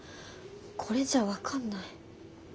これじゃ分かんない。